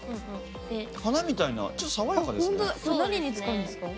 花みたいなちょっと爽やかですね。